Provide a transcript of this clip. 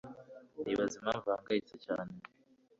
Ndibaza impamvu ahangayitse cyane.